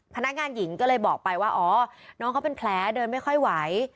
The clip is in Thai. พนักงานหญิงก็เลยบอกไปว่าอ๋อน้องเขาเป็นแผลเดินไม่ค่อยไหว